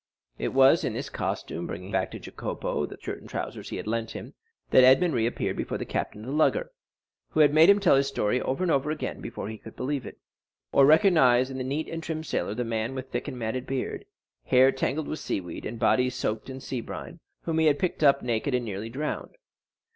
It was in this costume, and bringing back to Jacopo the shirt and trousers he had lent him, that Edmond reappeared before the captain of the lugger, who had made him tell his story over and over again before he could believe him, or recognize in the neat and trim sailor the man with thick and matted beard, hair tangled with seaweed, and body soaking in seabrine, whom he had picked up naked and nearly drowned.